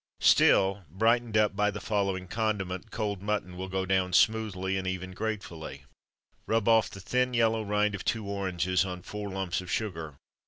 Still, brightened up by the following condiment, cold mutton will go down smoothly, and even gratefully: Rub off the thin yellow rind of two oranges on four lumps of sugar.